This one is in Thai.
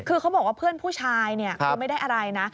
คือเขาบอกว่าเพื่อนผู้ชายเนี่ยคือไม่ได้อะไรนะ